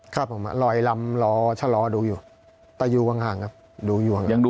ครับผมลอยลำรอชะลอดูอยู่แต่อยู่ห่างครับดูอยู่ห่าง